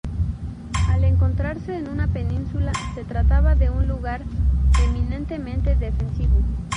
Al encontrarse en una península, se trataba de un lugar eminentemente defensivo.